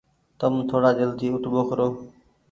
تم ٿوڙآ جلدي اوٺ ٻوکرو۔